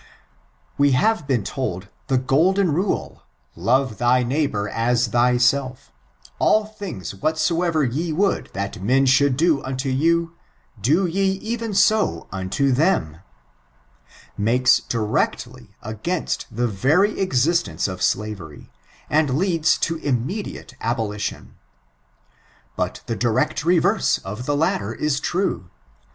We have been told, the golden rule, " Love thy neighbor as thyself — all things whatsoever ye would that men should do unto you, do ye even so unto them," makes I . ON ABOLITIONISM. 667 directly against the very existence of slavery, and leads to immediate abolition. But the direct reverse of the latter is true.